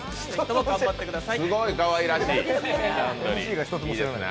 頑張ってください。